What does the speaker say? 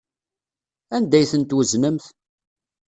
Anda ay ten-tweznemt?